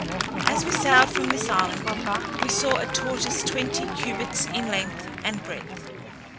As we sailed from this island, we saw a tortoise twenty cubits in length and breadth.